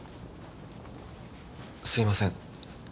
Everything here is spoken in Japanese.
すいません。